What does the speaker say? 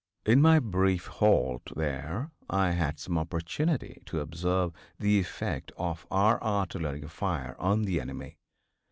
In my brief halt there I had some opportunity to observe the effect of our artillery fire on the enemy.